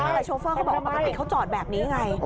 แต่โชเฟอร์เขาบอกปกติเขาจอดแบบนี้ไง